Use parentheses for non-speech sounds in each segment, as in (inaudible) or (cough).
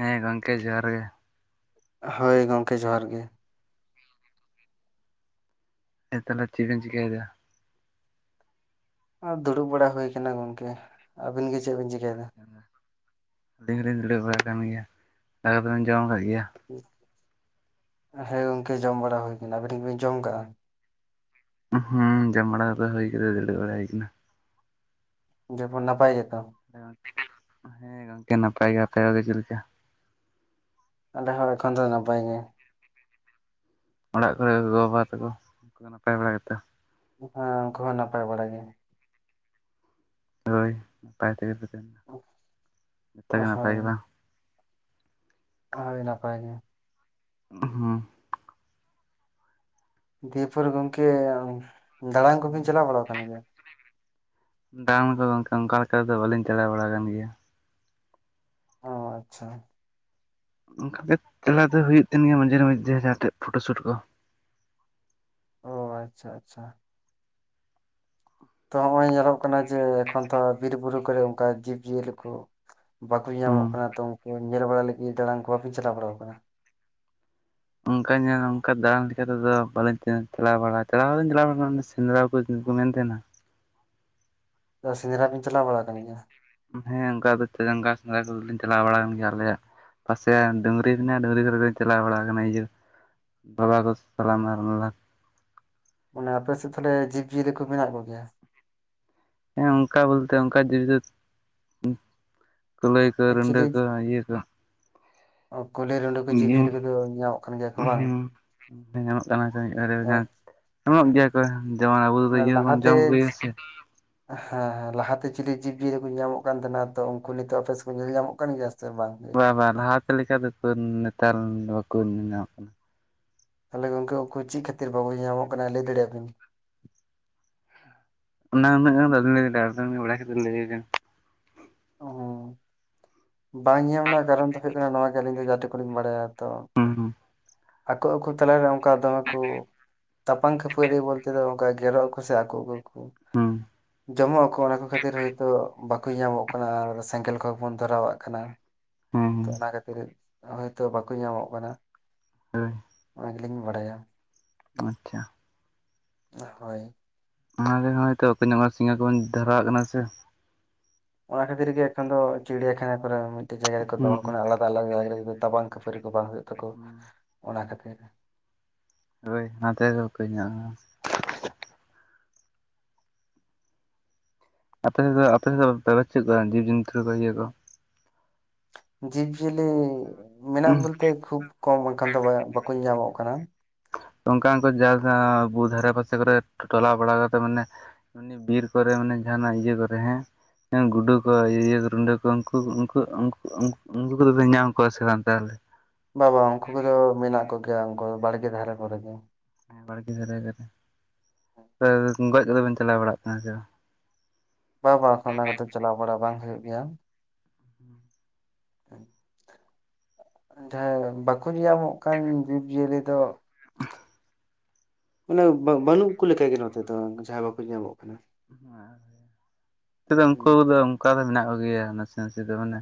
ᱦᱮᱸ, ᱜᱚᱝᱠᱮ ᱡᱚᱦᱟᱨ ᱜᱮ ᱾ ᱦᱳᱭ, ᱜᱚᱝᱠᱮ ᱡᱚᱦᱟᱨ ᱜᱮ ᱾ ᱦᱮᱸ ᱛᱟᱦᱚᱞᱮ ᱪᱮᱫ ᱵᱮᱱ ᱪᱮᱤᱠᱟᱹᱭᱮᱫᱟ? ᱫᱩᱲᱩᱵ ᱵᱟᱲᱟ ᱦᱩᱭ ᱟᱠᱟᱱᱟ ᱜᱚᱝᱠᱮ ᱟᱹᱵᱤᱱ ᱜᱮ ᱪᱮᱫ ᱵᱤᱱ ᱪᱠᱟᱹᱭᱮᱫᱟ? ᱟᱹᱞᱤᱧ ᱦᱚᱸᱞᱤᱧ ᱫᱩᱲᱩᱵ ᱵᱟᱲᱟ ᱠᱟᱱᱟ ᱜᱮᱭᱟ ᱾ ᱫᱟᱠᱟ ᱵᱮᱱ ᱡᱚᱢ ᱟᱠᱟᱫ ᱜᱮᱭᱟ? ᱦᱮᱸ ᱜᱚᱝᱠᱮ ᱾ ᱡᱚᱢ ᱵᱟᱲᱟ ᱦᱩᱭ ᱟᱠᱟᱱᱟ ᱟᱵᱤᱱ ᱫᱚ ᱵᱮᱱ ᱡᱚᱢ ᱠᱟᱜᱼᱟ? ᱦᱩᱸ, ᱡᱚᱢ ᱵᱟᱲᱟ ᱠᱚᱫᱚ ᱦᱩᱭ ᱠᱟᱛᱮ ᱫᱩᱲᱩᱵ ᱵᱟᱲᱟ ᱦᱩᱭ ᱠᱟᱱᱟ᱾ ᱡᱮ ᱵᱚᱱ ᱱᱟᱯᱟᱭ ᱜᱮᱛᱚ? (unintelligible) ᱱᱟᱯᱟᱭ ᱜᱮ, ᱟᱯᱮ ᱠᱚᱜᱮ ᱪᱮᱫ ᱞᱮᱠᱟ? ᱟᱞᱮ ᱦᱚᱸ ᱮᱠᱷᱚᱱ ᱫᱚ ᱱᱟᱯᱟᱭ ᱜᱮ᱾ ᱚᱲᱟᱜ ᱠᱚᱨᱮ ᱜᱚ ᱵᱟᱵᱟ ᱛᱟᱠᱚ ᱱᱟᱯᱟᱭ ᱵᱟᱲᱟ ᱜᱮᱛᱚ? ᱦᱮᱸ ᱩᱱᱠᱩ ᱦᱚᱸ ᱱᱟᱯᱟᱭ ᱵᱟᱲᱟ ᱜᱮ᱾ ᱦᱳᱭ ᱱᱟᱯᱟᱭ ᱛᱮᱜᱮ ᱛᱟᱦᱮᱱᱟ ᱡᱚᱛᱚᱜᱮ ᱦᱳᱭ ᱱᱟᱯᱟᱭ ᱜᱮ ᱵᱟᱝ᱾ ᱦᱳᱭ ᱱᱟᱯᱟᱭ ᱜᱮ ᱦᱮᱸ ᱫᱤᱭᱮᱯᱩᱨ ᱜᱚᱝᱠᱮ ᱫᱟᱟᱲᱟᱱ ᱠᱚᱵᱤᱱ ᱪᱟᱞᱟᱣ ᱵᱟᱲᱟ ᱟᱠ ᱜᱮᱭᱟ? (inaudible) ᱠᱚ ᱚᱱᱠᱟ ᱞᱮᱠᱟ ᱫᱚ ᱵᱟᱟᱹᱞᱤᱧ ᱪᱟᱞᱟᱣ ᱵᱟᱲᱟ ᱟᱠᱟᱱ ᱜᱮᱭᱟ᱾ ᱚ ᱟᱪᱪᱷᱟ᱾ ᱚᱱᱠᱟ ᱜᱮ ᱛᱮᱞᱟ ᱫᱚ ᱦᱩᱭᱩᱜ ᱛᱱ ᱜᱮᱭᱟ ᱢᱟᱡᱷᱮ ᱢᱟᱡᱷᱮ ᱡᱟᱦᱟᱸ ᱴᱷᱮᱡ ᱯᱷᱳᱴᱳ ᱥᱩᱴ ᱠᱚ ᱚ ᱟᱪᱪᱷᱟ ᱟᱪᱪᱷᱟ᱾ ᱛᱚ ᱱᱚᱜᱼᱚᱭ ᱧᱮᱞᱚᱜ ᱠᱟᱱᱟ ᱡᱮ ᱮᱠᱷᱚᱱ ᱛᱚ ᱵᱤᱨ ᱵᱩᱨᱩ ᱠᱚᱨᱮ ᱚᱱᱠᱟ ᱡᱤᱵᱽᱡᱤᱭᱟᱹᱞᱤ ᱠᱚᱼᱼ ᱵᱟᱠᱚ ᱧᱟᱢᱚᱜ ᱦᱩᱸ᱾ ᱠᱟᱱᱟ ᱛᱚ ᱩᱱᱠᱩ ᱧᱮᱞ ᱵᱟᱲᱟ ᱞᱟᱹᱜᱤᱫ ᱫᱟᱲᱟᱱ ᱠᱚ ᱵᱟᱠᱤᱱ ᱪᱟᱞᱟᱣ ᱵᱟᱲᱟ ᱟᱠᱟᱱᱟ? ᱚᱱᱠᱟ ᱧᱮᱞ ᱚᱱᱠᱟ ᱫᱟᱲᱟᱱ ᱞᱮᱠᱟ ᱛᱮᱫᱚ ᱵᱟᱟᱹᱞᱤᱧ ᱪᱟᱞᱟᱣ ᱵᱟᱲᱟᱜᱼᱟ ᱪᱟᱞᱟᱣ ᱵᱟᱲᱟᱧ ᱪᱟᱞᱟᱣᱲᱱᱟ ᱥᱮᱸᱫᱽᱨᱟ ᱠᱚ ᱠᱚ ᱢᱮᱱ ᱛᱟᱦᱮᱱᱟ᱾ ᱥᱮᱸᱫᱨᱟ ᱵᱤᱱ ᱪᱞᱟᱣ ᱵᱟᱲᱟ ᱠᱟᱱ ᱜᱮᱭᱟ? ᱦᱮᱸ ᱚᱱᱠᱟ ᱫᱚ ᱡᱟᱸᱜᱟ ᱥᱮᱸᱫᱽᱨᱟ ᱠᱚᱫᱚᱞᱧ ᱪᱟᱞᱟᱣ ᱵᱟᱲᱟ ᱠᱟᱱ ᱜᱮᱭᱟ ᱟᱞᱮᱭᱟᱜ, ᱯᱟᱥᱮ ᱰᱟᱝᱝᱨᱤ ᱢᱮᱱᱟᱜᱼᱟ ᱰᱟᱹᱝᱨᱤ ᱠᱚᱨᱮ ᱫᱚᱧ ᱪᱟᱞᱟᱣ ᱵᱟᱲᱟ ᱟᱠᱟᱱᱟ ᱤᱭᱟᱹᱼᱼ ᱵᱟᱵᱟ ᱫᱚ (inaudible) ᱢᱟᱱᱮ ᱟᱯᱮᱮᱥᱮᱫ ᱛᱟᱦᱚᱞᱮ ᱡᱤᱵᱽᱡᱤᱭᱟᱹᱞᱤ ᱠᱚ ᱢᱮᱱᱟᱜ ᱠᱚᱜᱮᱭᱟ? ᱦᱮᱸ ᱚᱱᱠᱟ ᱵᱚᱞᱛᱮ ᱚᱱᱠᱟ (inaudible) ᱡᱤ ᱫᱚ ᱠ ᱞᱟᱹᱭ ᱠᱚ ᱟᱨ ᱨᱩᱱᱰᱟ. ᱠᱚ ᱤᱭᱟᱹ ᱠᱚ ᱠᱩᱞᱦᱮᱩᱸᱰᱮᱠᱩ ᱤᱭᱟᱹ ᱡᱤᱵᱽᱡᱤᱭᱟᱹᱞᱤ ᱠᱚᱫᱚ ᱧᱟᱢᱚᱜ ᱠᱟᱱ ᱜᱮᱭᱟ ᱠᱚ ᱵᱟᱝ? ᱧᱟᱢᱚᱜ ᱠᱟᱱᱟ ᱢᱤᱫ ᱵᱟᱨᱭᱟ᱾ ᱮᱢᱚᱜ ᱜᱮᱭᱟ ᱠᱚ ᱡᱮᱢᱚᱱ ᱟᱵᱚ ᱢᱟᱱᱮ ᱤᱭᱟᱹ ᱫᱚᱵᱚᱱ ᱞᱟᱦᱟᱛᱮ ᱡᱚᱢ ᱠᱚᱜᱭᱟ ᱥᱮᱼᱼ ᱦᱮᱸ ᱦᱮᱸ ᱞᱟᱦᱟᱛᱮ ᱪᱤᱞᱤ ᱡᱤᱵᱡᱤᱭᱟᱹᱞᱤ ᱠᱚ ᱧᱟᱢᱚᱜ ᱠᱟᱱ ᱛᱟᱦᱮᱱᱟ ᱛᱚ ᱩᱱᱠᱩ ᱱᱤᱛᱚᱜ ᱚᱯᱮᱥ ᱠᱚ ᱧᱮᱞ ᱧᱟᱢᱚᱜ ᱠᱟᱱ ᱜᱮᱭᱟ ᱡᱥᱛᱮ ᱵᱟᱝᱼᱼ ᱵᱟᱨ ᱞᱟᱦᱟ ᱛᱮ ᱞᱮᱠᱟ ᱫᱚᱠᱚ ᱱᱮᱛᱟᱨ ᱵᱟᱠᱚ ᱧᱮᱞ ᱧᱟᱢᱚᱜ ᱠᱟᱱᱟ᱾ ᱛᱟᱦᱚᱞᱮ ᱜ ᱩᱱᱠᱠᱩ ᱪᱮᱫ ᱠᱷᱟᱹᱛᱤᱨ ᱵᱟᱵᱚ ᱧᱟᱢᱚᱜ ᱠᱟᱱᱟ ᱞᱟᱹᱭ ᱫᱟᱲᱮᱭᱟᱵᱤᱱ? ᱳᱱᱟ ᱚᱱᱟᱹ ᱜᱟᱱ ᱠᱟᱛᱮ ᱞᱟᱹᱭ ᱵᱮᱱ᱾ ᱦ ᱵᱟᱝ ᱧᱟᱢ ᱨᱮᱱᱟᱜ ᱠᱟᱨᱚᱱ ᱫᱚ ᱦᱩᱭᱩᱜ ᱠᱟᱱᱟ ᱱᱚ ᱜᱮ ᱟᱹᱞᱤᱧ ᱫᱚ ᱡᱟ ᱴᱩ ᱠᱩ ᱞᱤᱧ ᱵᱟᱲᱟᱭᱟ ᱛᱚᱼᱼ ᱦᱩᱸ ᱦᱩᱸ ᱟᱠᱚ ᱟᱠᱚ ᱛᱟᱞᱟᱨᱮ ᱚᱱᱠᱟ ᱫᱚᱢᱮ ᱠᱚᱼᱼ ᱛᱟᱯᱟᱝ ᱠᱷᱟᱹᱯᱟᱹᱨᱤ ᱵᱚᱞᱛᱮ ᱫᱚ ᱚᱱᱠᱟ ᱜᱮᱨᱚᱜ ᱟᱠᱚ ᱥᱮ ᱟᱠᱚᱚᱜ ᱠᱚᱼᱼ ᱦᱩᱸ ᱡᱚᱢᱚᱜ ᱟᱠᱚ ᱚᱱᱟ ᱠᱚ ᱠᱷᱟᱹᱛᱤᱨ ᱦᱚᱭᱛᱳ ᱵᱟᱠᱚ ᱧᱟᱢᱚᱜ ᱠᱟᱱᱟ ᱟᱨ ᱥᱮᱸᱜᱮᱞ ᱠᱚᱦᱚᱸ ᱵᱚᱱ ᱫᱷᱚᱨᱟᱣᱟᱜ ᱠᱟᱱᱟ᱾ ᱦᱮᱸ ᱛᱚ ᱦᱮᱸ ᱚᱱᱟ ᱠᱷᱟᱹᱛᱤᱨ ᱦᱚᱳᱭᱛᱚ ᱵᱟᱠᱚ ᱧᱟᱢᱚᱜ ᱠᱟᱱᱟ᱾ ᱦᱳᱭ ᱚᱱᱟ ᱜᱮᱞᱤᱧ ᱵᱟᱲᱟᱭᱟ᱾ ᱟᱪᱪᱷᱟ ᱦᱳᱭ ᱚᱱᱟᱱᱟᱜᱮ ᱦᱚᱭᱛᱚ ᱚᱠᱚᱭ ᱧᱚᱜ ᱥᱤᱸᱜᱮᱞ ᱠᱚᱵᱚᱱ ᱫᱷᱷᱟᱨᱟᱣᱟᱜ ᱠᱟᱱᱟ ᱥᱮ᱾ ᱚᱱᱟ ᱠᱷᱟᱹᱛᱤᱨ ᱜᱮ ᱮᱠᱷᱚᱱ ᱫᱚ ᱪᱤᱲᱤᱭᱟᱠᱷᱟᱱᱟ ᱠᱚᱨᱮ ᱢᱤᱫᱴᱮᱡ ᱡᱟᱭᱜᱟ ᱨᱮ ᱦᱩᱸ ᱫᱚᱦᱚ ᱠᱟᱱᱟ ᱟᱞᱟᱫᱟ ᱟᱞᱟᱫᱟ ᱡᱟᱭᱜᱟ ᱨᱮᱟ ᱵᱟᱝ ᱠᱷᱩᱯᱟᱹᱨᱤ ᱠᱚ ᱵᱟᱝ ᱦᱩᱭᱩᱜ ᱛᱟᱠᱚ ᱦᱩᱸ ᱚᱱᱟ ᱠᱷᱟᱹᱛᱤᱨ᱾ ᱦᱳᱭ ᱚᱱᱟᱛᱮ ᱫᱚ ᱵᱟᱠᱚ ᱧᱟᱢᱼᱟ ᱦᱚᱸ ᱟᱯᱮ ᱥᱮᱫ ᱫᱚ ᱟᱯᱮ ᱥᱮᱫ ᱫᱚ ᱵᱮᱵᱟᱨ ᱪᱮᱫ ᱠᱚ ᱡᱤᱵᱽ ᱡᱚᱱᱛᱩ ᱠᱚ ᱤᱭᱟᱹ ᱠᱚ? ᱡᱤᱵᱽᱡᱤᱭᱟᱹᱞᱤ ᱢᱮᱱᱟᱜ ᱵᱚᱞᱛᱮ ᱠᱷᱩᱵ ᱠᱚᱢ ᱮᱠᱷᱟᱱ ᱫᱚ ᱵᱟᱠᱚ ᱧᱟᱢᱚᱜ ᱠᱟᱱᱟ᱾ ᱛᱚ ᱚᱝᱠᱟ ᱚᱝᱠᱟ ᱡᱟᱫᱟ ᱵᱩ ᱫᱷᱟᱨᱮ ᱯᱟᱥᱮ ᱠᱚᱨᱮ ᱴᱚᱞᱟ ᱵᱲᱟ ᱠᱟᱛᱮ ᱢᱟᱱᱮ ᱩᱱᱤ ᱵᱤᱨ ᱠᱚᱨᱮ ᱢᱟᱱᱮ ᱡᱟᱦᱟᱸᱱᱟᱜ ᱤᱭᱟᱹ ᱫᱟᱨᱮ ᱦᱮᱸ ᱜᱩᱰᱩ ᱠᱚ ᱤᱭᱟᱹ ᱤᱭᱟᱹ ᱠᱚ ᱨᱩᱰᱟᱹ ᱠᱚ ᱩᱱᱠᱩ ᱩᱱ ᱩᱱᱠᱩ ᱠᱚᱫᱚᱯᱮ ᱧᱟᱢ ᱠᱚᱣᱟ ᱥᱮ ᱵᱟᱝ ᱛᱟᱦᱚᱞᱮ ᱵᱟᱵᱟ ᱩᱱᱠᱩ ᱠᱚᱫᱚ ᱢᱮᱱᱟᱜ ᱠᱚᱜᱮᱭᱟ ᱩᱱᱠᱩ ᱵᱟᱲᱜᱮ ᱫᱷᱟᱨᱮ ᱠᱚᱨᱮ ᱜᱮ ᱦᱮᱸ ᱵᱟᱲᱜᱮ ᱫᱷᱟᱨᱮ ᱨᱮ ᱥᱟᱹᱨᱟᱭ ᱜᱚᱡ ᱠᱚᱫᱚ ᱵᱮᱱ ᱪᱟᱞᱟᱣ ᱵᱟᱲᱟᱜ ᱠᱟᱱᱟ ᱥᱮ ᱵᱟᱝ ᱵᱟᱝ ᱵᱟᱝᱠᱷᱚᱱ ᱚᱱᱟ ᱠᱟᱛᱮ ᱪᱟᱞᱟᱣ ᱵᱟᱲᱟᱟᱜ ᱵᱟᱝ ᱦᱩᱭᱩᱜ ᱜᱮᱭᱟ᱾ (unintelligible) (unintelligible) ᱡᱟᱦᱟᱸᱭ ᱵᱟᱠᱚ ᱧᱟᱢᱚᱜ ᱠᱟᱱ ᱡᱤᱵᱽ ᱡᱤᱭᱟᱹᱞᱤ ᱫᱚ (unintelligible) ᱢᱟᱱᱮ ᱵᱟ ᱵᱟᱹᱱᱩᱜ ᱠᱚ ᱞᱮᱠᱟ ᱜᱮ ᱱᱚᱛᱮ ᱫᱚ ᱡᱟᱦᱟᱸ ᱵᱟᱠᱚ ᱧᱟᱢᱚᱜ ᱠᱟᱱᱟ᱾ ᱦᱮᱸ ᱱᱚᱛᱮ ᱫᱚ ᱩᱱᱠᱩ ᱫᱚ ᱚᱱᱠᱟ ᱫᱚ ᱢᱮᱱᱟᱜ ᱠᱚ ᱜᱮᱭᱟ ᱱᱟᱥᱮ ᱱᱟᱥᱮ ᱫᱚ ᱢᱟᱱᱮ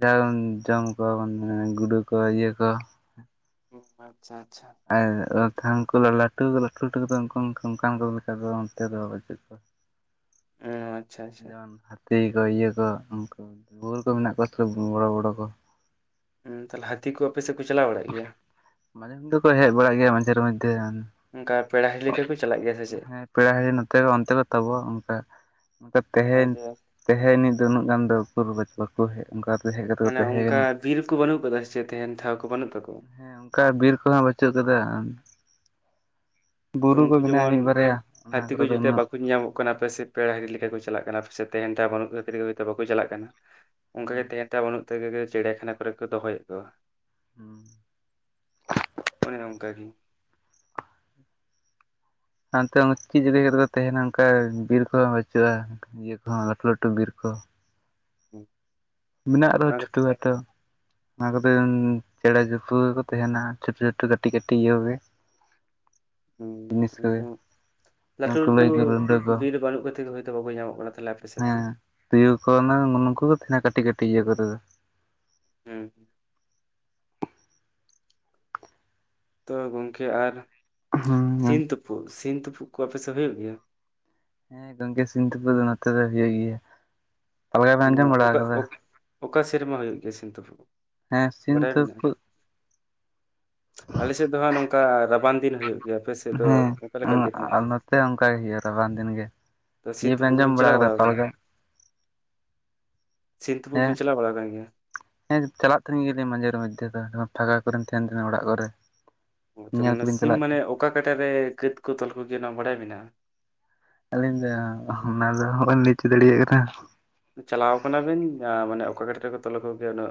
ᱡᱟᱦᱟᱸ ᱵᱚᱱ ᱡᱚᱢ ᱠᱚᱣᱟ ᱵᱚᱱ ᱢᱟᱱᱮ ᱜᱩᱰᱩ ᱠᱚ ᱤᱭᱟᱹ ᱠᱚ (unintelligible) ᱟᱪᱪᱷᱟ ᱟᱪᱪᱷᱟ᱾ ᱟᱨ ᱛᱷᱟᱱ ᱠᱚ ᱞᱟᱹᱴᱩ ᱞᱟᱹᱴᱩ ᱞᱟᱹᱴᱩ ᱠᱚᱫᱚ ᱩᱱᱠᱩ ᱚᱱᱠᱟᱱ ᱠᱚ ᱞᱮᱠᱟ ᱫᱚ ᱚᱱᱛᱮ ᱫᱚ ᱵᱟᱹᱪᱩᱜ ᱠᱚᱣᱟ᱾ ᱚ ᱟᱪᱪᱷᱟ ᱟᱪᱪᱷᱟ ᱡᱮᱢᱚᱱ (unintelligible) ᱛᱤᱜᱤ ᱠᱚ ᱤᱭᱟᱹ ᱠᱚ ᱩᱱᱠᱩ ᱵᱩᱨ ᱠᱚ ᱢᱮᱱᱟᱜ ᱠᱚᱣᱟ ᱥᱮ ᱵᱷᱩ ᱵᱚᱲᱚ ᱵᱚᱲᱚ ᱠᱚ ᱦᱩᱸᱛᱟᱦᱚᱞᱮ ᱦᱟᱹᱛᱤ ᱠᱚ ᱟᱯᱮ ᱥᱮᱫ ᱠᱚ ᱪᱟᱞᱟᱣ ᱵᱟᱲᱟᱜ ᱜᱮᱭᱟ ᱢᱟᱱᱮᱱ ᱧᱤᱫᱟᱹ ᱠᱚ ᱦᱮᱡ ᱵᱟᱲᱟᱜ ᱜᱮᱭᱟ ᱢᱟᱡᱷᱮᱨ ᱢᱚᱫᱽᱫᱷᱮ ᱚᱱᱠᱟ ᱯᱮᱲᱟ ᱦᱤᱨᱤ ᱞᱮᱠᱟ ᱠᱚ ᱪᱟᱞᱟᱜ ᱜᱮᱭᱟ ᱥᱮ ᱪᱮᱫ ᱯᱮᱲᱟ ᱦᱤᱨᱤ ᱱᱚᱛᱮ ᱠᱷᱚᱡ ᱚᱱᱛᱮ ᱠᱚ ᱛᱟᱵᱚ ᱚᱱᱠᱟ ᱚᱱᱠᱟ ᱛᱮᱦᱮᱧ ᱟᱪᱪᱷᱟ ᱛᱮᱦᱮᱧ ᱟᱹᱱᱤᱡ ᱫᱚ ᱩᱱᱟᱹᱜ ᱜᱟᱱ ᱫᱚ ᱩᱠᱩᱨ ᱵᱟᱠᱩ ᱦᱮᱡ ᱚᱱᱠᱟ ᱦᱮᱡ ᱠᱟᱛᱮ ᱠᱚ ᱢᱟᱱᱮ ᱚᱱᱠᱟ ᱛᱟᱦᱮᱸᱭ ᱠᱟᱱᱟ᱾ ᱵᱤᱨ ᱠᱚ ᱵᱟᱹᱱᱩᱜ ᱟᱠᱟᱫᱟ ᱥᱮ ᱪᱮᱫ ᱛᱟᱦᱮᱱ ᱴᱷᱟᱶ ᱠᱚ ᱵᱟᱹᱱᱩᱜ ᱛᱟᱠᱚᱣᱟ ᱦᱮᱸ ᱚᱱᱠᱟ ᱵᱤᱨ ᱠᱚᱱᱟᱜ ᱵᱟᱹᱪᱩᱜ ᱟᱠᱟᱫᱟ ᱛᱚ ᱵᱩᱨᱩ ᱠᱚ ᱩᱱᱠᱩ ᱢᱮᱱᱟᱜ-ᱟ ᱡᱮᱢᱚᱱ ᱢᱤᱫ ᱵᱟᱨᱭᱟ ᱚᱱᱟ ᱠᱚ ᱨᱮ ᱫᱚ ᱩᱱᱟᱹᱜ ᱠᱚᱱᱟ ᱟᱯᱮ ᱥᱮᱫ ᱯᱮᱲᱟ ᱦᱤᱨᱤ ᱞᱮᱠᱟ ᱠᱚ ᱪᱟᱞᱟᱜ ᱠᱟᱱᱟ ᱥᱮ ᱛᱮᱦᱮᱱ ᱴᱷᱟᱶ ᱵᱟᱹᱱᱩᱜ ᱛᱟᱯᱮ ᱛᱤᱜᱤ ᱜᱮ ᱦᱚᱭ ᱛᱚ ᱵᱟᱠᱚ ᱪᱟᱞᱟᱜ ᱠᱟᱱᱟ ᱚᱱᱠᱟ ᱜᱮ ᱦᱩᱸ ᱛᱮᱦᱮᱱ ᱴᱷᱟᱶ ᱵᱟᱹᱱᱩᱜ ᱛᱮ ᱜᱮ ᱪᱮᱲᱤᱭᱟᱠᱷᱟᱱᱟ ᱠᱚ ᱨᱮ ᱠᱚ ᱫᱚᱦᱚᱭᱮᱫ ᱠᱚᱣᱟ᱾ (inaudible) ᱦᱳᱭ ᱚᱱᱠᱟ ᱜᱤ ᱦᱟᱱᱛᱮ ᱦᱚᱸ ᱪᱮᱫ ᱡᱟᱜᱟᱹᱭ ᱨᱮ ᱠᱚ ᱛᱟᱦᱮᱱᱟ ᱚᱱᱠᱟ ᱵᱤᱨ ᱠᱚ ᱦᱚᱸ ᱵᱟᱹᱪᱩᱜ-ᱟ᱾ ᱤᱭᱟᱹ ᱠᱚ ᱦᱚᱸ ᱞᱟᱹᱴᱩ ᱞᱟᱹᱴᱩ ᱵᱤᱨ ᱠᱚ ᱦᱩᱸ ᱢᱮᱱᱟᱜ ᱨᱮᱦᱚᱸ ᱪᱷᱩᱴᱩ ᱜᱟᱛᱚ ᱚᱱᱟ ᱠᱚ ᱫᱟᱹᱱ ᱪᱮᱸᱬᱮ ᱡᱩᱯᱷᱣᱟᱹ ᱠᱚ ᱛᱟᱦᱮᱱᱟ ᱪᱷᱳᱴᱳ ᱪᱷᱳᱴᱳ ᱠᱟᱹᱴᱤᱡ ᱠᱟᱹᱴᱤᱡ ᱤᱭᱟᱹ ᱠᱚ ᱜᱮ (inaudible) ᱦᱩᱸ ᱱᱚᱜ-ᱚᱭ ᱛᱚ ᱞᱟᱹᱴᱩ ᱞᱟᱹᱴᱩ ᱠᱩᱞᱟᱹᱭ ᱠᱚ ᱨᱩᱰᱟᱹ ᱠᱚ ᱵᱤᱨ ᱵᱟᱹᱱᱩᱜ ᱠᱷᱟᱹᱛᱤᱨ ᱦᱚᱭ ᱛᱚ ᱵᱟᱠᱚ ᱧᱟᱢᱚᱜ ᱠᱟᱱᱟ᱾ ᱛᱟᱦᱚᱞᱮ ᱟᱯᱮ ᱥᱮᱫ ᱫᱚ ᱦᱮᱸ ᱛᱩᱭᱩ ᱠᱚ ᱩᱱᱟᱝ ᱱᱩ ᱱᱩᱠᱩ ᱠᱚ ᱛᱟᱦᱮᱱᱟ ᱠᱟᱹᱴᱤᱡ ᱠᱟᱹᱴᱤᱡ ᱤᱭᱟᱹ ᱠᱚᱨᱮ ᱫᱚ ᱦᱩᱸ ᱛᱚ ᱜᱚᱝᱠᱮ ᱟᱨ ᱥᱤᱢ ᱦᱮᱸ ᱛᱩᱯᱩᱜ ᱥᱤᱢ ᱛᱩᱯᱩᱜ ᱠᱚ ᱟᱯᱮ ᱥᱮᱫ ᱦᱩᱭᱩᱜ ᱜᱮᱭᱟ ᱦᱮᱸ ᱜᱚᱝᱠᱮ ᱥᱤᱢ ᱛᱩᱯᱩᱜ ᱫᱚ ᱱᱚᱛᱮ ᱫᱚ ᱦᱩᱭᱩᱜ ᱜᱮᱭᱟ᱾ ᱯᱟᱞᱮ ᱵᱮᱱ ᱢᱟᱱᱮ ᱟᱸᱡᱚᱢ ᱵᱟᱲᱟ ᱚᱠᱟ ᱟᱠᱟᱫᱟ ᱚᱠ ᱚᱠᱟ ᱥᱮᱨᱢᱟ ᱦᱩᱭᱩᱜ ᱜᱮᱭᱟ ᱥᱤᱢ ᱛᱩᱯᱩᱜ ᱦᱮᱸ ᱥᱤᱢ ᱛᱩᱯᱩᱜ ᱟᱞᱮ ᱥᱮᱫ ᱫᱚ ᱦᱟᱸᱜ ᱱᱚᱝᱠᱟ ᱨᱟᱵᱟᱝ ᱫᱤᱱ ᱦᱩᱭᱩᱜ ᱜᱮᱭᱟ ᱟᱯᱮ ᱥᱮᱫ ᱫᱚ ᱚᱠᱟ ᱞᱮᱠᱟᱱ ᱫᱤᱱ ᱦᱩᱭᱩᱜ ᱜᱮᱭᱟ ᱥᱮ ᱚᱱᱠᱟ ᱜᱮ ᱦᱩᱭᱩᱜ-ᱟ ᱨᱟᱵᱟᱝ ᱫᱤᱱ ᱜᱮ ᱛᱚ ᱥᱤᱢ ᱤᱭᱟᱹ ᱯᱮ ᱛᱩᱯᱩᱜ ᱠᱚᱵᱤᱱ ᱟᱸᱡᱚᱢ ᱵᱟᱲᱟ ᱪᱟᱞᱟᱣ ᱟᱠᱟᱫᱟ ᱟᱠᱟᱱᱟ? ᱯᱟᱞᱜᱟᱱ ᱥᱤᱢ ᱛᱩᱯᱩᱜ ᱦᱮᱸ ᱵᱤᱱ ᱪᱟᱞᱟᱣ ᱵᱟᱲᱟ ᱟᱠᱟᱱ ᱜᱮᱭᱟ ᱦᱮᱸ ᱪᱟᱞᱟᱜ ᱛᱟᱦᱮᱱ ᱜᱮᱭᱟ ᱞᱤᱧ ᱢᱟᱡᱷᱮᱨ ᱢᱚᱫᱷᱮ ᱫᱚ ᱯᱷᱟᱜᱟ ᱠᱚᱨᱮᱱ ᱛᱟᱦᱮᱱ ᱛᱟᱦᱮᱱᱟ ᱚᱲᱟᱜ ᱠᱚ ᱨᱮ ᱦᱚᱭ ᱛᱚ ᱢᱟᱱᱮ ᱥᱤᱢ ᱢᱟᱱᱮ ᱚᱠᱟ ᱠᱟᱴᱟ ᱨᱮ ᱠᱟᱹᱛ ᱠᱚ ᱛᱚᱞ ᱠᱚ ᱜᱮᱭᱟ ᱚᱱᱟ ᱵᱟᱰᱟᱭ ᱢᱮᱱᱟᱜ-ᱟ ᱟᱹᱞᱤᱧ ᱫᱚ ᱚᱱᱟ ᱫᱚ ᱚᱦᱚ ᱞᱤᱧ ᱞᱟᱹᱭ ᱦᱚᱪᱚ ᱫᱟᱲᱮᱭᱟᱜ ᱠᱟᱱᱟ᱾ ᱪᱟᱞᱟᱣ ᱟᱠᱟᱱᱟ ᱵᱤᱱ ᱡᱟᱸ ᱢᱟᱱᱮ ᱚᱠᱟ ᱠᱟᱴᱟ ᱨᱮ ᱠᱚ ᱛᱚᱞ ᱟᱠᱚ ᱜᱮᱭᱟ ᱩᱱᱟᱹᱜ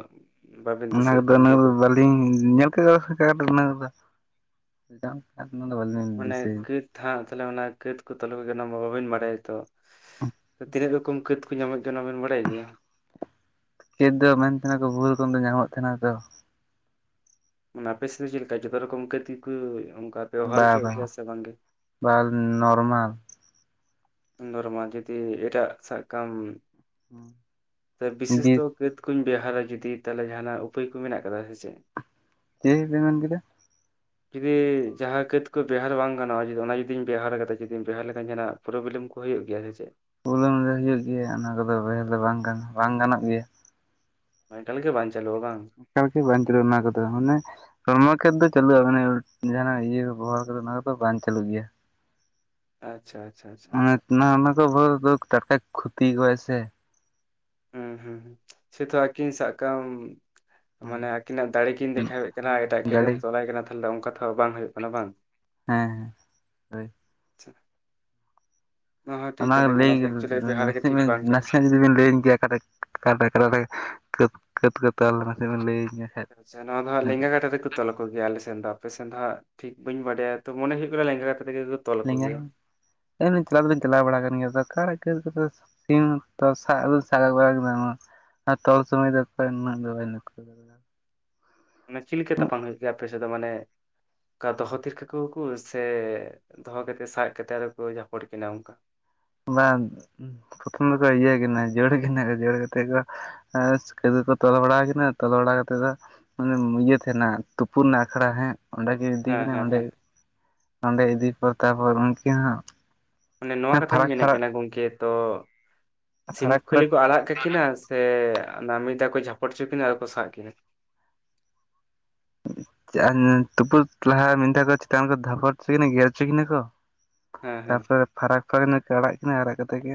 ᱵᱟᱵᱤᱱ ᱚᱱᱟ ᱠᱚ ᱫᱤᱥᱟᱹᱭᱮᱫ ᱫᱚ ᱠᱟᱱᱟ ᱩᱱᱟᱹᱜ ᱥᱮ ᱫᱚ ᱪᱮᱫ? ᱵᱟᱹᱞᱤᱧ ᱧᱮᱞ ᱠᱮᱫ (unintelligible) (unintelligible) ᱩᱱᱟᱹᱜ ᱫᱚ ᱵᱟᱹᱞᱤᱧ ᱫᱤᱥᱟᱹᱭᱟ᱾ ᱦᱮ ᱛᱟᱦᱚᱞᱮ ᱚᱱᱟ ᱠᱷᱟᱹᱛ ᱠᱚ ᱛᱚᱞ ᱟᱠᱚ ᱜᱮᱭᱟ ᱚᱱᱟ ᱢᱟ ᱵᱟᱹᱵᱤᱧ ᱵᱟᱲᱟᱭᱟ ᱛᱚ ᱛᱤᱱᱟᱹᱜ ᱨᱚᱠᱚᱢ ᱠᱟᱹᱛ ᱠᱚ ᱧᱟᱢᱚᱜ ᱜᱮᱭᱟ ᱚᱱᱟ ᱵᱮᱱ ᱵᱟᱰᱟᱭ ᱜᱮᱭᱟ᱾ ᱠᱟᱹᱛ ᱫᱚ ᱢᱮᱱ ᱛᱟᱦᱮᱱᱟᱠᱚ ᱵᱚᱦᱩ ᱨᱚᱠᱚᱡ ᱛᱮ ᱧᱟᱢᱚᱜ ᱛᱟᱦᱮᱱᱟ ᱛᱚ ᱢᱟᱱᱮ ᱟᱯᱮ ᱥᱮᱫ ᱫᱚ ᱪᱮᱫ ᱞᱮᱠᱟ ᱡᱚᱛᱚ ᱨᱚᱠᱚᱢ ᱠᱟᱹᱛ ᱜᱮ ᱠᱚ ᱚᱱᱠᱟ ᱵᱮᱣᱦᱟᱨ ᱵᱟ ᱦᱚᱪᱚᱣᱟᱜ ᱵᱟ ᱜᱮᱭᱟ ᱥᱮ ᱵᱟᱝᱜᱮ? ᱵᱟᱝ ᱱᱚᱨᱢᱟᱞ ᱱᱚᱨᱢᱟᱞ ᱡᱩᱫᱤ ᱮᱴᱟᱜ ᱥᱟᱵ ᱠᱟᱢ ᱵᱤᱥ ᱵᱤᱥᱮᱥᱛᱚ ᱠᱟᱹᱛ ᱠᱚᱧ ᱵᱮᱣᱦᱟᱨᱟ ᱡᱩᱫᱤ ᱛᱟᱦᱚᱞᱮ ᱡᱟᱦᱟᱸᱱᱟᱜ ᱩᱯᱟᱹᱭ ᱠᱚ ᱢᱮᱱᱟᱜ ᱟᱠᱟᱫᱟ ᱥᱮ ᱪᱮᱫ? ᱪᱮᱫ ᱵᱮᱱ ᱢᱮᱱ ᱠᱮᱫᱟ? ᱡᱩᱫᱤ ᱡᱟᱦᱟᱸ ᱠᱟᱹᱛ ᱠᱚ ᱵᱮᱣᱦᱟᱨ ᱵᱟᱝ ᱜᱟᱱᱚᱜ-ᱟ ᱡᱚ ᱚᱱᱟ ᱡᱩᱫᱤᱧ ᱵᱮᱣᱦᱟᱨ ᱠᱟᱫᱟ ᱡᱩᱫᱤᱢ ᱵᱮᱣᱦᱟᱨ ᱞᱮᱠᱷᱟᱱ ᱡᱟᱦᱟ ᱱᱟᱜ ᱯᱨᱚᱵᱞᱮᱢ ᱠᱚ ᱦᱩᱭᱩᱜ ᱜᱮᱭᱟ ᱥᱮ ᱪᱮᱫ? (unintelligible) ᱚᱱᱟ ᱠᱚᱫᱚ ᱵᱮᱣᱦᱟᱨ ᱫᱚ ᱵᱟᱝ ᱵᱟᱝ ᱜᱟᱱᱚᱜ ᱜᱮᱭᱟ᱾ (unintelligible) ᱞᱟᱹᱜᱤᱜ ᱜᱮ ᱵᱟᱝ ᱪᱟᱞᱩᱣᱟ ᱵᱟᱝ? ᱮᱠᱟᱞ ᱛᱮ ᱵᱟᱝ ᱪᱟᱞᱩᱣᱟ ᱚᱱᱟ ᱠᱚᱫᱚ ᱢᱟᱱᱮ ᱠᱚᱨᱢᱚ ᱠᱷᱮᱛ ᱫᱚ ᱪᱟᱹᱞᱩᱜ-ᱟ ᱢᱟᱱᱮ ᱡᱟᱦᱟᱱᱟᱜ ᱤᱭᱟᱹ ᱵᱮᱵᱚᱦᱟᱨ ᱚᱱᱟ ᱠᱚᱫᱚ ᱵᱟᱝ ᱪᱟᱹᱞᱩᱜ ᱜᱮᱭᱟ᱾ ᱟᱪᱪᱷᱟ ᱟᱪᱪᱷᱟ ᱟᱪᱪᱷᱟ᱾ ᱚᱱᱟ ᱚᱱᱮ ᱫᱚ ᱴᱟᱴᱠᱟ ᱠᱷᱩᱛᱤ ᱠᱚᱣᱟ ᱥᱮ᱾ ᱦᱩᱸ ᱦᱩᱸ ᱥᱮ ᱛᱚ ᱟᱹᱠᱤᱱ ᱥᱟᱵ ᱠᱟᱜ-ᱟᱢ ᱢᱟᱱᱮ ᱟᱹᱠᱤᱱᱟᱜ ᱫᱟᱲᱮ ᱠᱤᱱ ᱫᱮᱠᱷᱟᱣᱮᱫ ᱠᱟᱱᱟ ᱮᱴᱟᱜ ᱠᱟᱹᱛ ᱠᱟᱛᱮᱢ ᱜᱟᱹᱰᱤ ᱛᱚᱞᱟᱭ ᱠᱟᱱᱟ ᱛᱟᱦᱮ ᱫᱚ ᱚᱱᱠᱟ ᱛᱚᱸ ᱵᱟᱝ ᱦᱩᱭᱩᱜ ᱠᱟᱱᱟ ᱵᱟᱝ᱾ ᱦᱮᱸ ᱦᱮᱸ ᱦᱳᱭ ᱟᱪᱪᱷᱟ᱾ ᱦᱚᱸ ᱴᱷᱤᱠ ᱚᱱᱟ ᱠᱟᱛᱷᱟ ᱜᱮ ᱞᱟᱹᱭ ᱫᱚ ᱮᱠᱪᱩᱭᱮᱞᱤ ᱵᱮᱣᱦᱟᱨ ᱜᱮ ᱱᱟᱥᱮ ᱴᱷᱤᱠ ᱵᱟᱝ ᱠᱟᱱᱟ᱾ ᱱᱟᱥᱮ ᱱᱟᱜ ᱡᱩᱫᱤ ᱵᱮᱱ ᱞᱟᱹᱭᱟᱹᱧ ᱠᱤᱧᱟ ᱚᱠᱟᱴᱟᱜ (unintelligible) ᱠᱟ. ᱛ ᱠᱚ ᱛᱚᱞ ᱞᱮᱱᱟ ᱥᱮ ᱵᱟᱝ ᱞᱟᱹᱭᱤᱧ ᱢᱮ᱾ ᱥᱮ ᱱᱚᱣᱟ ᱫᱚ ᱦᱟᱜ ᱞᱮᱜᱟ ᱠᱟᱴᱟ ᱛᱮᱠᱚ ᱛᱚᱞ ᱟᱠᱚ ᱜᱮᱭᱟ ᱟᱞᱮᱥᱮᱱ ᱫᱚ ᱟᱯᱮᱥᱮᱱ ᱫᱚ ᱦᱟᱸᱜ ᱴᱷᱤᱠ ᱵᱟᱹᱧ ᱵᱟᱰᱟᱭᱟ ᱛᱚ ᱢᱚᱱᱮ ᱦᱩᱭᱩᱜ ᱞᱮᱸᱜᱟ ᱠᱟᱛᱮᱫ ᱜᱮ ᱛᱚᱞ ᱟᱠᱚ ᱞᱤᱧᱟ ᱜᱮᱭᱟ᱾ (unintelligible) ᱪᱟᱞᱟᱣ ᱫᱚᱞᱤᱧ ᱪᱟᱞᱟᱣ ᱵᱟᱲᱟ ᱟᱠᱟᱱ ᱜᱮᱭᱟ ᱚᱠᱟᱨᱮ (unintelligible) ᱛᱤᱱ ᱚᱠᱛᱚ ᱥᱟᱵ ᱫᱤᱧ ᱥᱟᱵ (unintelligible) ᱟᱨ ᱛᱚᱞ ᱥᱚᱢᱚᱭ (unintelligible) ᱩᱱᱟᱹᱜ ᱫᱚ ᱵᱟᱧ ᱞᱚᱠᱠᱷᱚᱭᱟ᱾ ᱢᱟᱱᱮ ᱪᱮᱫ ᱞᱮᱠᱟ ᱛᱟᱯᱟᱢ ᱦᱩᱭᱩᱜ ᱜᱮᱭᱟ ᱟᱯᱮ ᱥᱮᱫ ᱫᱚ ᱢᱟᱱᱮ ᱚᱱᱠᱟ ᱫᱚᱦᱚ ᱛᱷᱤᱨ ᱠᱟᱠᱚᱣᱟ ᱠᱚ ᱥᱮ ᱫᱚᱦᱚ ᱠᱟᱛᱮᱫ ᱥᱟᱵ ᱠᱟᱛᱮᱫ ᱟᱨ ᱠᱚ ᱡᱷᱟᱯᱚᱲ ᱠᱤᱱᱟ ᱚᱱᱠᱟ᱾ ᱵᱟᱝ ᱯᱨᱚᱛᱷᱚᱢ ᱫᱚᱠᱚ ᱤᱭᱟᱹ ᱠᱤᱱᱟᱹ ᱡᱟᱹᱲ ᱠᱤᱱᱟᱹ ᱠᱚ ᱡᱟᱹᱲ ᱠᱟᱛᱮ ᱠᱚ ᱠᱟᱹᱛ ᱠᱚ ᱛᱚᱞ ᱵᱟᱲᱟ ᱠᱤᱱᱟ ᱛᱚᱞᱚ ᱵᱟᱲᱟ ᱠᱟᱛᱮᱫ ᱫᱚ ᱢᱟᱱᱮ ᱤᱭᱟᱹ ᱛᱟᱦᱮᱱᱟ ᱛᱩᱯᱩᱱ ᱟᱠᱷᱲᱟ ᱦᱮᱸ᱾ ᱚᱸᱰᱮ ᱠᱤᱱ ᱤᱫᱤ ᱦᱮᱸ ᱠᱤᱱᱟᱹ ᱦᱮᱸ ᱚᱸᱰᱮ ᱦᱮᱸ ᱚᱸᱰᱮ ᱤᱫᱤ ᱯᱚᱨ ᱛᱟᱯᱚᱨ ᱩᱱᱠᱤᱱ ᱦᱚᱸ᱾ ᱚᱱᱮ ᱱᱚᱣᱟ ᱠᱟᱛᱷᱟᱧ ᱯᱷᱟᱨᱟᱠ ᱢᱮᱱᱮᱫ ᱯᱷᱟᱨᱟᱠ ᱠᱟᱱᱟ ᱜᱚᱢᱠᱮ ᱛᱚ ᱥᱤᱢ ᱯᱷᱟᱨᱟᱠ ᱠᱷᱟᱹᱞᱤ ᱯᱷᱟᱨᱟᱠ ᱠᱚ ᱟᱲᱟᱜ ᱠᱟᱠᱤᱱᱟ ᱥᱮ ᱚᱱᱟ ᱢᱤᱫ ᱫᱷᱟᱣ ᱠᱚ ᱡᱷᱟᱯᱚᱴ ᱚᱪᱚ ᱠᱤᱱᱟᱹ ᱟᱨ ᱠᱚ ᱥᱟᱵ ᱠᱤᱱᱟ᱾ (unintelligible) ᱞᱟᱦᱟ ᱢᱤᱫ ᱫᱷᱟᱣ ᱠᱚ ᱪᱤᱛᱟᱱ ᱨᱮᱠᱚ ᱡᱷᱟᱯᱚᱴ ᱦᱚᱪᱚ ᱠᱤᱱ ᱜᱮᱨ ᱦᱚᱰᱟᱜ ᱠᱤᱱᱟ ᱠᱚ᱾ ᱦᱮᱸ ᱦᱮᱸ ᱛᱟᱯᱚᱨᱮ ᱯᱷᱟᱨᱟᱠ ᱯᱷᱟᱨᱟᱠ ᱱᱟᱹᱠ ᱟᱲᱟᱜ ᱠᱤᱱᱟᱹ ᱟᱲᱟᱜ ᱠᱟᱛᱮᱫ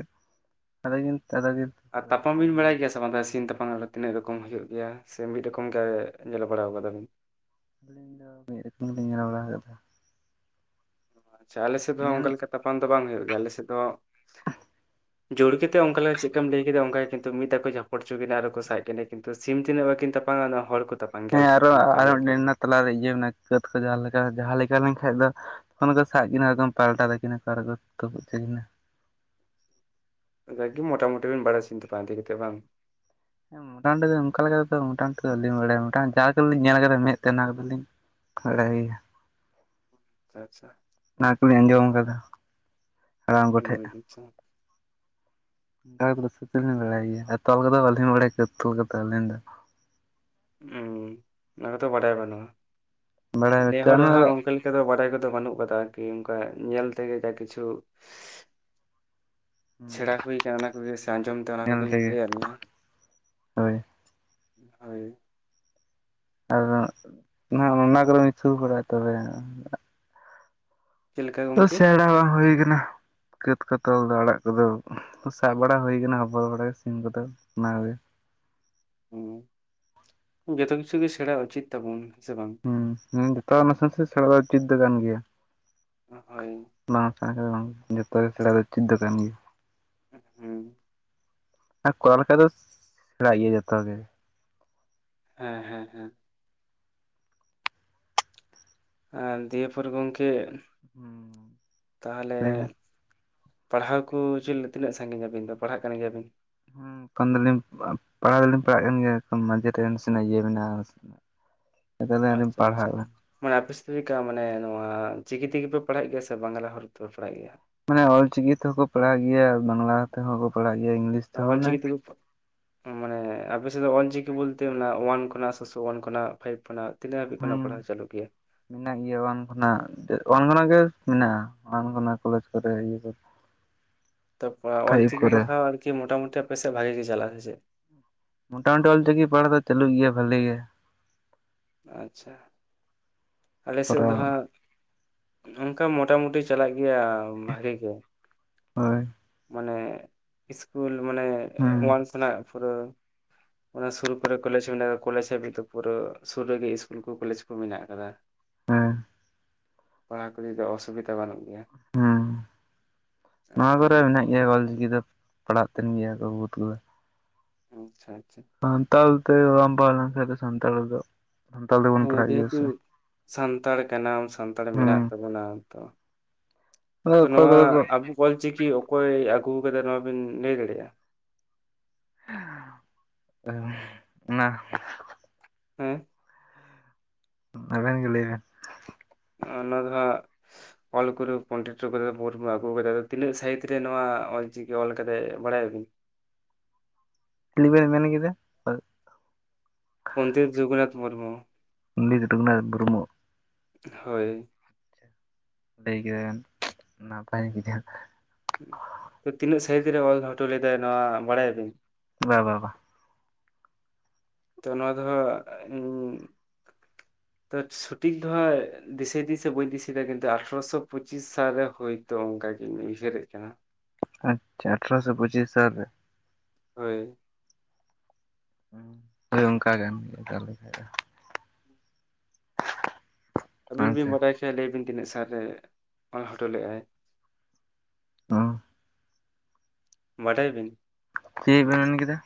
ᱟᱫᱚ ᱠᱤᱱ ᱟᱫᱚ ᱠᱤᱱ᱾ ᱟᱨ ᱛᱩᱯᱩᱜᱼᱟ ᱛᱟᱯᱟᱢ ᱵᱤᱱ ᱵᱟᱲᱟᱭ ᱟᱹᱞᱤᱧ ᱜᱮᱭᱟ (unintelligible) ᱛᱟᱯᱟᱝ ᱛᱤᱱᱟᱹᱜ ᱨᱚᱠᱚᱢ ᱦᱩᱭᱩᱜ ᱜᱮᱭᱟ ᱥᱮ ᱢᱤᱫ ᱨᱚᱠᱚᱢ ᱜᱮ ᱧᱮᱞᱚ ᱵᱟᱲᱟ ᱠᱟᱫᱟ ᱵᱤᱱ? ᱟᱞᱤᱧ ᱫᱚ ᱢᱤᱫ ᱨᱚᱠᱚᱢ ᱜᱮᱞᱤᱧ ᱧᱮᱞ ᱵᱟᱲᱟ ᱟᱠᱟᱫᱟ᱾ ᱟᱪᱪᱷᱟ ᱟᱞᱮᱥᱮᱫ ᱧᱮᱞ ᱚᱱᱠᱟ ᱞᱮᱠᱟ ᱛᱟᱯᱟᱱ ᱫᱚ ᱵᱟᱝ ᱦᱩᱭᱩᱜ ᱜᱮᱭᱟ ᱟᱞᱮ ᱥᱮᱫ ᱫᱚ ᱡᱳᱲ ᱠᱟᱛᱮᱫ ᱚᱱᱠᱟ ᱞᱮᱠᱟ ᱪᱮᱫᱠᱟᱢ ᱞᱟᱹᱭ ᱠᱮᱫᱟ ᱚᱱᱠᱟ ᱠᱤᱱᱛᱩ ᱢᱤᱫ ᱫᱷᱟᱣ ᱠᱚ ᱡᱷᱟᱯᱚᱴ ᱦᱚᱪᱚ ᱠᱤᱱᱟ ᱟᱨ ᱠᱚ ᱥᱟᱵ ᱠᱤᱱᱟ᱾ ᱠᱤᱱᱛᱩ ᱥᱤᱢ ᱛᱤᱱᱟᱹᱜ ᱵᱟᱠᱤᱱ ᱛᱟᱯᱟᱢᱟ ᱠᱤᱱᱛᱩ ᱦᱚᱲ ᱠᱚ ᱛᱟ ᱦᱮᱸ ᱟᱨᱚ ᱟᱨ ᱢᱤᱫᱴᱮᱱ ᱛᱟᱞᱟ ᱨᱮ ᱤᱭᱟᱹ ᱠᱟᱹᱛ ᱠᱚ ᱡᱟᱦᱟ ᱞᱮᱠᱟ ᱡᱟᱦᱟᱸ ᱞᱮᱠᱟ ᱞᱮᱱᱠᱷᱟᱱ ᱫᱚ (unintelligible) ᱠᱚ ᱥᱟᱵ ᱠᱤᱱᱟ ᱮᱠᱫᱚᱢ ᱯᱟᱞᱴᱟ ᱛᱟᱠᱤᱱᱟ ᱛᱟᱨᱯᱚᱨ ᱠᱚ ᱛᱚᱯᱚᱛ ᱠᱤᱱᱟ᱾ (unintelligible) ᱢᱚᱴᱟ ᱢᱩᱴᱤ ᱵᱤᱱ ᱵᱟᱲᱟᱭᱟ ᱥᱤᱢ ᱛᱚᱯᱚᱛ ᱤᱫᱤ ᱠᱟᱛᱟᱫ ᱵᱟᱝ᱾ ᱦᱮ ᱢᱚᱴᱟᱢᱩᱴᱤ ᱫᱚ ᱚᱝᱠᱟ ᱞᱮᱠᱟ ᱛᱮᱫᱚ ᱢᱚᱴᱟᱢᱩᱴᱤ ᱫᱚ ᱵᱟᱹᱞᱤᱧ ᱵᱟᱰᱟᱭᱟ ᱡᱟ ᱩᱛᱟᱹᱨ ᱞᱤᱧ ᱧᱮᱞ ᱠᱟᱫᱟ ᱢᱮᱫ ᱛᱮᱱᱟ ᱾ ᱦᱳᱭ᱾ ᱟᱪᱪᱷᱟ ᱾ ᱚᱱᱟ ᱠᱚᱞᱤᱧ ᱟᱸᱡᱚᱢ ᱠᱟᱫᱟ᱾ (unintelligible) (unintelligible) ᱵᱟᱲᱟᱭ ᱜᱮᱭᱟ ᱟᱨ ᱛᱚᱞ ᱠᱚᱫᱚ ᱵᱟᱞᱤᱧ ᱵᱟᱲᱟᱭ ᱜᱮ ᱛᱚᱞ ᱠᱟᱫᱚ ᱟᱹᱞᱤᱧ ᱫᱚ ᱦᱩᱸ ᱚᱱᱟ ᱠᱚᱫᱚ ᱵᱟᱰᱟᱭ ᱵᱟᱹᱱᱩᱜᱼᱟ ᱵᱟᱲᱟᱭ ᱵᱟᱪᱩᱜᱼᱟ ᱱᱮᱦᱚᱲ ᱚᱱᱟ ᱦᱚ ᱫᱚ ᱚᱱᱠᱟ ᱞᱮ ᱠᱟ ᱫᱚ ᱵᱟᱰᱟᱭ ᱠᱚᱫᱚ ᱵᱟᱹᱱᱩᱜ ᱠᱟᱫᱟ ᱚᱱᱠᱟ ᱧᱮᱞ ᱛᱮᱜᱮ ᱡᱟ ᱠᱤᱪᱷᱩ ᱥᱮᱬᱟ ᱦᱩᱭ ᱟᱠᱟᱱᱟ ᱚᱱᱟ ᱠᱚᱜᱮ ᱥᱮ ᱟᱸᱡᱚᱢ ᱛᱮ ᱚᱱᱟ ᱧᱮᱞ ᱠᱚᱜᱤᱧ ᱛᱮᱜᱮ ᱞᱟᱹᱭᱟᱫ ᱢᱮᱭᱟ, ᱦᱳᱭ ᱦᱳᱭ᱾ ᱟᱫᱚ ᱚᱱᱟ ᱠᱚᱨᱮ ᱛᱷᱩᱣ ᱵᱟᱲᱟᱭ ᱛᱚᱵᱮ ᱪᱮᱫ ᱞᱮᱠᱟ ᱛᱚ ᱜᱚᱝᱠᱮ ᱥᱮᱲᱟ ᱦᱩᱭ ᱠᱟᱱᱟ᱾ ᱠᱷᱟᱹᱫᱽ ᱠᱚ ᱛᱚᱞ ᱫᱚ ᱟᱲᱟᱜ ᱠᱚᱫᱚ ᱥᱟᱵ ᱵᱟᱲᱟ ᱦᱩᱭ ᱠᱟᱱᱟ ᱦᱚᱵᱚᱨ ᱵᱟᱲᱟ ᱥᱤᱢ ᱠᱚᱫᱚ ᱚᱱᱟᱜᱮ ᱦᱩᱸ ᱡᱷᱚᱛᱚ ᱠᱤᱪᱷᱩ ᱜᱮ ᱥᱮᱬᱟ ᱩᱪᱤᱛ ᱛᱟᱵᱚᱱ ᱦᱮᱸᱥᱮ ᱵᱟᱝ? ᱦᱩᱸ ᱡᱚᱛᱚᱣᱟᱜ ᱱᱟᱥᱮ ᱱᱟᱥᱮ ᱥᱮᱲᱟ ᱫᱚ ᱩᱪᱤᱫ ᱫᱚ ᱠᱟᱱ ᱜᱮᱭᱟ᱾ ᱦᱳᱭ᱾ (unintelligible) ᱡᱷᱚᱛᱚ ᱜᱮ ᱥᱮᱬᱟ ᱫᱚ ᱩᱪᱤᱫ ᱫᱚ ᱠᱟᱱ ᱜᱮᱭᱟ᱾ ᱩᱸᱜ ᱩᱸ᱾ ᱟᱨ ᱠᱚᱨᱟᱣ ᱞᱮᱠᱟ ᱫᱚ ᱥᱮᱬᱟᱭ ᱜᱮᱭᱟ ᱡᱷᱚᱛᱚ ᱜᱮ᱾ ᱦᱮᱸ ᱦᱮᱸ ᱦᱮᱸ᱾ ᱟᱸ ᱫᱤᱭᱮ ᱯᱚᱨ ᱜᱚᱢᱠᱮ ᱛᱟᱦᱚᱞᱮ ᱞᱟᱹᱭ ᱵᱮᱱ ᱯᱟᱲᱦᱟᱣ ᱠᱚ ᱪᱮᱫ ᱛᱤᱱᱟᱹᱜ ᱥᱟᱺᱜᱤᱧ ᱟᱵᱤᱱ ᱫᱚ ᱯᱟᱲᱦᱟᱜ ᱠᱟᱱ ᱜᱮᱭᱟ ᱵᱤᱱ? ᱦᱮᱸ ᱮᱠᱷᱟᱱ ᱫᱚᱞᱤᱧ ᱯᱟᱲᱦᱟᱣ ᱫᱚᱞᱤᱧ ᱯᱟᱲᱦᱟᱜ ᱠᱟᱱ ᱜᱮᱭᱟ ᱢᱟᱡᱷᱮ ᱥᱮᱱᱟᱜ ᱤᱭᱟᱹ ᱢᱮᱱᱟᱜᱼᱟ (inaudible) ᱟᱪᱪᱷᱟ ᱟᱪᱪᱷᱟ᱾ ᱯᱟᱲᱦᱟᱜ ᱠᱟᱱᱟ ᱢᱟᱱᱮ ᱟᱯᱮ ᱥᱮᱫ ᱪᱮᱫ ᱞᱮᱠᱟ ᱢᱟᱱᱮ ᱱᱚᱣᱟ ᱪᱤᱠᱤ ᱛᱮᱜᱮ ᱯᱮ ᱯᱟᱲᱦᱟᱜ ᱜᱮᱭᱟ ᱥᱮ ᱵᱟᱝᱞᱟ ᱦᱚᱨ ᱛᱮᱯᱮ ᱯᱟᱲᱦᱟᱜ ᱜᱮᱭᱟ? ᱢᱟᱱᱮ ᱚᱞᱪᱤᱠᱤ ᱛᱮᱦᱚᱸ ᱠᱚ ᱯᱟᱲᱦᱟᱜ ᱜᱮᱭᱟ, ᱵᱟᱝᱞᱟ ᱛᱮᱦᱚᱸ ᱠᱚ ᱯᱟᱲᱦᱟᱜ ᱜᱮᱭᱟ, ᱤᱝᱞᱤᱥ ᱛᱮᱦᱚᱸ ᱢᱟᱱᱮ ᱚᱞᱪᱤᱠᱤ ᱛᱮᱠᱩ ᱢᱟᱱᱮ ᱟᱯᱮ ᱥᱮᱫ ᱫᱚ ᱚᱞᱪᱤᱠᱤ ᱵᱚᱞᱛᱮ ᱚᱣᱟᱱ ᱠᱷᱚᱱᱟᱜ ᱥᱚᱥᱚ ᱭᱟᱱ ᱠᱷᱚᱱᱟᱜ ᱯᱷᱟᱭᱤᱵ ᱠᱷᱚᱱᱟᱜ ᱛᱤᱱᱟᱹᱜ ᱦᱟᱵᱤᱡ ᱦᱩᱸ ᱠᱷᱚᱱᱟᱜ ᱯᱟᱲᱦᱟᱣ ᱪᱟᱞᱩᱜ ᱜᱮᱭᱟ? ᱢᱮᱱᱟᱜ ᱜᱮᱭᱟ ᱚᱣᱟᱱ ᱠᱷᱚᱱᱟᱜ ᱚᱣᱟᱱ ᱠᱷᱚᱱᱟᱜ ᱜᱮ ᱢᱮᱱᱟᱜᱼᱟ ᱚᱣᱟᱱ ᱠᱷᱚᱱᱟᱜ ᱠᱚᱞᱮᱡᱽ ᱠᱚᱨᱮ ᱤᱭᱟᱹ ᱠᱚᱨᱮ (inaudible) ᱛᱟ ᱯᱚᱨᱮ ᱯᱷᱟᱭᱤᱵ ᱚᱞᱪᱤᱠᱤ ᱯᱟᱲᱦᱟᱣ ᱟᱨᱠᱤ ᱢᱚᱴᱟᱢᱩᱴᱤ ᱟᱯᱮ ᱥᱮᱫ ᱵᱷᱟᱜᱤ ᱜᱮ ᱪᱟᱞᱟᱜᱼᱟ ᱥᱮ ᱪᱮᱫ? ᱢᱚᱴᱟᱢᱩᱴᱤ ᱚᱞᱪᱤᱠᱤ ᱯᱟᱲᱦᱟᱜ ᱫᱚ ᱪᱟᱹᱞᱩᱜ ᱜᱮᱭᱟ ᱵᱷᱟᱞᱤ ᱜᱮ᱾ ᱟᱪᱪᱷᱟ ᱟᱞᱮ ᱥᱮᱫ ᱫᱚ ᱠᱚᱨᱟᱣ ᱦᱟᱸᱜ ᱚᱱᱠᱟ ᱢᱚᱴᱟ ᱢᱩᱴᱤ ᱪᱟᱞᱟᱜ ᱜᱮᱭᱟ ᱵᱷᱟᱜᱤ ᱜᱮ᱾ ᱦᱳᱭ᱾ ᱢᱟᱱᱮ ᱤᱥᱠᱩᱞ ᱢᱟᱱᱮ ᱦᱩᱸ ᱚᱣᱟᱱ ᱠᱷᱟᱱᱟᱜ ᱯᱩᱨᱟᱹ ᱚᱱᱟ ᱥᱩᱨᱩ ᱠᱚᱨᱮ ᱠᱚᱞᱮᱡᱽ ᱢᱮᱱᱟᱜ ᱠᱟᱫᱟ ᱠᱚᱞᱮᱡᱽ ᱦᱟᱹᱵᱤᱡ ᱫᱚ ᱯᱩᱨᱟᱹ ᱥᱩᱨ ᱨᱮᱜᱮ ᱤᱥᱠᱩᱞ ᱠᱚ ᱠᱚᱞᱮᱡᱽ ᱠᱚ ᱢᱮᱱᱟᱜ ᱠᱟᱫᱟ᱾ ᱦᱮᱸ᱾ ᱯᱟᱲᱦᱟᱣ ᱠᱚ ᱞᱤᱭᱮ ᱫᱚ ᱚᱥᱩᱵᱤᱫᱟ ᱵᱟᱹᱱᱩᱜ ᱜᱮᱭᱟ᱾ ᱦᱩᱸ ᱱᱚᱣᱟ ᱦᱳᱭ ᱠᱚᱨᱮ ᱢᱮᱱᱟᱜ ᱜᱮᱭᱟ ᱚᱞᱪᱤᱠᱤ ᱫᱚ ᱯᱟᱲᱦᱟᱜ ᱛᱟᱦᱮᱱ ᱜᱮᱭᱟ ᱠᱚ (unintelligible) ᱠᱚᱫᱚ, ᱩᱸ ᱟᱪᱪᱷᱟ ᱟᱪᱪᱷᱟ᱾ ᱥᱟᱱᱛᱟᱲ ᱛᱮ ᱵᱟᱢ ᱯᱟᱲᱦᱟᱣ ᱞᱮᱱᱠᱷᱟᱱ ᱫᱚ ᱥᱟᱱᱛᱟᱲᱛᱮ ᱫᱚ ᱥᱟᱱᱛᱟᱲ ᱛᱮᱵᱚᱱ ᱦᱮᱸ ᱯᱟᱲᱦᱟᱜ ᱜᱮᱭᱟ ᱡᱮᱦᱮᱛᱩ ᱥᱮ ᱥᱟᱱᱛᱟᱲ ᱠᱟᱱᱟᱢ ᱥᱟᱱᱛᱟᱲ ᱢᱮᱱᱟᱜ ᱦᱩᱸ ᱛᱟᱵᱚᱱᱟ ᱛᱚ ᱟᱫᱚ ᱛᱚ ᱚᱠᱚᱭ ᱱᱚᱣᱟ ᱠᱚᱫᱚ ᱠᱚ ᱟᱵᱚ ᱚᱞᱪᱤᱠᱤ ᱚᱠᱚᱭ ᱟᱹᱜᱩ ᱠᱟᱫᱟ ᱱᱚᱣᱟ ᱵᱤᱱ ᱞᱟᱹᱭ ᱫᱟᱲᱮᱭᱟᱜᱼᱟ? ᱚᱱᱟ ᱦᱮᱸ᱾ ᱟᱵᱮᱱ ᱜᱮ ᱞᱟᱹᱭ ᱵᱮᱱ᱾ ᱚᱱᱟ ᱫᱚ ᱦᱟᱸᱜ ᱚᱞ ᱜᱩᱨᱩ ᱯᱚᱸᱰᱤᱛ ᱨᱚᱜᱷᱩᱱᱟᱛᱷ ᱢᱩᱨᱢᱩ ᱟᱹᱜᱩ ᱟᱠᱟᱫᱟ ᱛᱤᱱᱟᱹᱜ ᱥᱟᱭᱤᱛ ᱨᱮ ᱱᱚᱣᱟ ᱚᱞ ᱪᱤᱠᱤ ᱚᱞ ᱠᱟᱫᱟᱭ ᱵᱟᱲᱟᱭᱟᱵᱤᱱ? ᱪᱤᱞᱤ ᱵᱮᱱ ᱢᱮᱱ ᱠᱮᱫᱟ? ᱯᱚᱸᱱᱰᱤᱛ ᱨᱚᱜᱷᱩᱱᱟᱛᱷ ᱢᱩᱨᱢᱩ᱾ (unintelligible) ᱦᱳᱭ ᱞᱟᱹᱭ ᱠᱮᱫᱟ ᱵᱮᱱ ᱱᱟᱯᱟᱭ (unintelligible) ᱛᱚ ᱛᱤᱱᱟᱹᱜ ᱥᱟᱦᱤᱫ ᱨᱮ ᱚᱞ ᱦᱚᱴᱚ ᱞᱮᱫᱟ ᱱᱚᱣᱟ ᱵᱟᱲᱟᱭ ᱟᱵᱤᱱ ᱵᱟ ᱵᱟ ᱵᱟ ᱛᱚ ᱱᱚᱣᱟ ᱫᱚ ᱦᱟᱜ ᱦᱩ (inaudible) ᱛᱚ ᱥᱩᱴᱷᱤᱠ ᱫᱚ ᱦᱟᱜ ᱫᱤᱥᱟᱹᱭ ᱥᱮ ᱵᱟᱝ ᱫᱤᱥᱟᱹᱭ ᱫᱟ ᱠᱤᱱᱛᱩ ᱟᱴᱷᱮᱨᱚᱥᱚ ᱯᱩᱪᱤᱥ ᱥᱟᱞ ᱨᱮ ᱦᱩᱭ ᱛᱚ ᱚᱱᱠᱟ ᱜᱤᱧ ᱩᱭᱦᱟᱹᱨ ᱮᱫ ᱠᱟᱱᱟ᱾ ᱟᱪᱪᱷᱟ ᱟᱴᱷᱨᱚᱥᱚ ᱥᱮ ᱯᱚᱪᱤᱥ ᱥᱟᱞ ᱨᱮ? ᱦᱳᱭ ᱦᱳᱭ ᱚᱱᱠᱟ ᱜᱟᱱ ᱜᱮ ᱛᱟᱦᱚᱞᱮ ᱠᱷᱟᱱ ᱫᱚ ᱟᱹᱵᱤᱱ ᱵᱟᱝ ᱥᱮ ᱵᱤᱱ ᱵᱟᱰᱟᱭ ᱠᱷᱟᱡ ᱞᱟᱹᱭ ᱵᱤᱱ ᱛᱤᱱᱟᱹᱜ ᱥᱟᱞ ᱨᱮ ᱚᱞ ᱦᱚᱴᱚ ᱞᱮᱟᱭ᱾ ᱚ ᱵᱟᱰᱟᱭ ᱟ ᱵᱤᱱ? ᱪᱮᱫ ᱵᱮᱱ ᱢᱮᱱ ᱠᱮᱫᱟ?